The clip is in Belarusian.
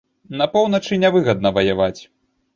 На поўначы нявыгадна ваяваць.